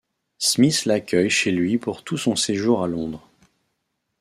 Smith l’accueille chez lui pour tout son séjour à Londres.